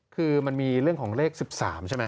คือมันมีเรื่องของเลข๑๓ใช่ไหม